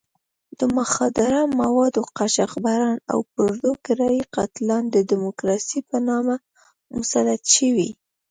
د مخدره موادو قاچاقبران او پردو کرایي قاتلان د ډیموکراسۍ په نامه مسلط شوي.